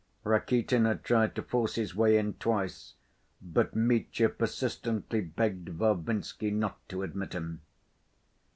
Rakitin had tried to force his way in twice, but Mitya persistently begged Varvinsky not to admit him.